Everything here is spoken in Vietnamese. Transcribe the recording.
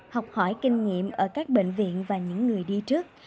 học hỏi kinh nghiệm ở các bệnh viện và những người đi trước